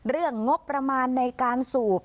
เรื่องงบประมาณในการสูบ